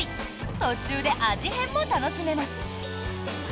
途中で味変も楽しめます。